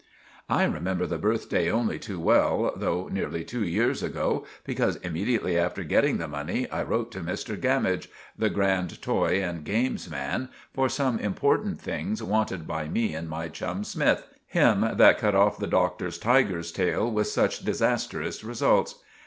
I remember the birthday only too well, though nearly two years ago, because immedeetly after getting the money I wrote to Mr Gammidge—the grand toy and games man—for some important things wanted by me and my chum, Smythe—him that cut off the Doctor's tiger's tail with such disasterous results.